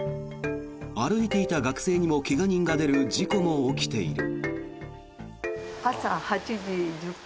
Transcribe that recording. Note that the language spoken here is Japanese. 歩いていた学生にも怪我人が出る事故も起きている。